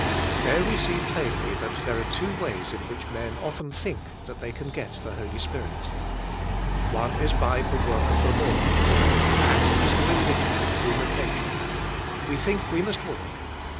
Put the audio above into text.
There we see plainly that there are two ways in which men often think they can get the Holy Spirit. One is by the work of the law. That is the religion of human nature. We think we must work.